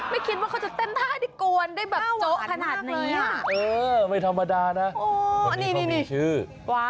ไม่คิดว่าเขาจะเต้นท่าดิโกนชั่วขนาดนี้อ่ะไม่ธรรมดานะ